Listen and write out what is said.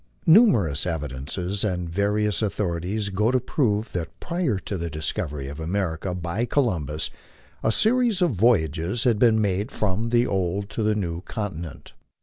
Numerous evidences and various authorities go to prove that prior to the discovery of America by Columbus a series of voyages had been made from the old to the new continent.